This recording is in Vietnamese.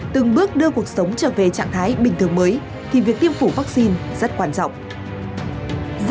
từng bước đưa cuộc sống trở về trạng thái bình thường mới thì việc tiêm phủ vaccine rất quan trọng